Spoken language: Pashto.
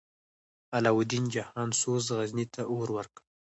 علاوالدین جهان سوز، غزني ته اور ورکړ.